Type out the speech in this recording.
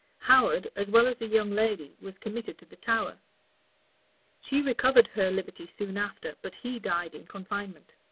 Howard, as well as the young lady, was committed to the Tower. She recovered her liberty soon after; but he died in confinement.